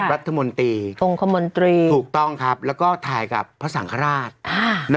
รัฐมนตรีองค์คมนตรีถูกต้องครับแล้วก็ถ่ายกับพระสังฆราช